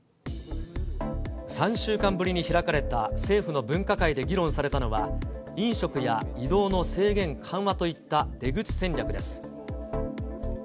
３週間ぶりに開かれた政府の分科会で議論されたのは、飲食や移動の制限緩和といった出口戦略です。